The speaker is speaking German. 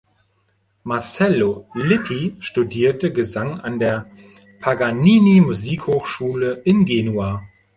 Marcello Lippi studierte Gesang an der Paganini-Musikhochschule in Genua.